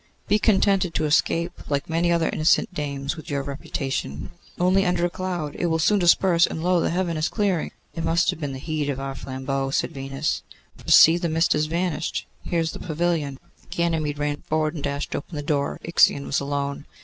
Be contented to escape, like many other innocent dames, with your reputation only under a cloud: it will soon disperse; and lo! the heaven is clearing.' 'It must have been the heat of our flambeaux,' said Venus; 'for see, the mist is vanished; here is the pavilion.' Ganymede ran forward, and dashed open the door. Ixion was alone.